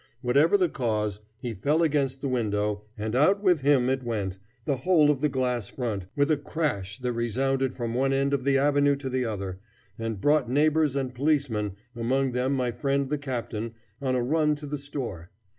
Whatever the cause, he fell against the window, and out with him it went, the whole of the glass front, with a crash that resounded from one end of the avenue to the other, and brought neighbors and policemen, among them my friend the captain, on a run to the store.